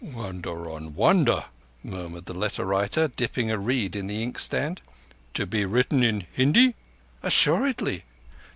"Wonder on wonder!" murmured the letter writer, dipping a reed in the inkstand. "To be written in Hindi?" "Assuredly.